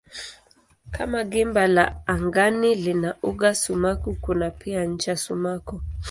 Kama gimba la angani lina uga sumaku kuna pia ncha sumaku.